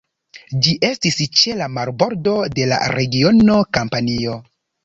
Ĝi estis ĉe la marbordo de la regiono Kampanio.